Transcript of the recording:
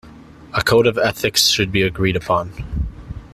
A code of ethics should be agreed upon.